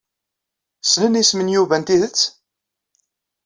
Ssnen isem n Yuba n tidet?